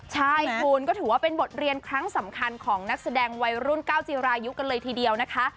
ใช่คุณก็ถือว่าเป็นบทเรียนครั้งสำคัญของนักแสดงวัยรุ่นก้าวจีรายุกันเลยทีเดียวนะคะ